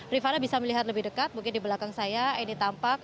rifana bisa melihat lebih dekat mungkin di belakang saya ini tampak